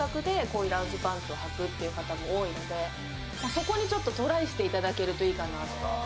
そこにトライしていただけるといいかなと。